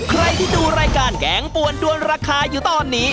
ใครที่ดูรายการแกงปวนด้วนราคาอยู่ตอนนี้